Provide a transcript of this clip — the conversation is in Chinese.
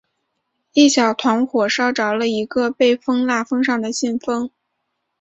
一小团火烧着了一个被封蜡封上的信封。